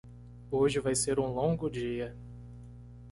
Hoje vai ser um longo dia.